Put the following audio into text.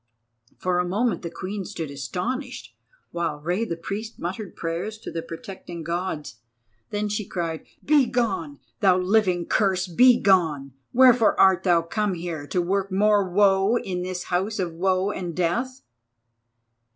For a moment the Queen stood astonished, while Rei the Priest muttered prayers to the protecting Gods. Then she cried: "Begone, thou living curse, begone! Wherefore art thou come here to work more woe in this house of woe and death?"